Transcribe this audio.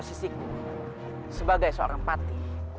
sebagai seorang pati